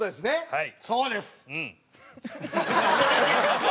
はい。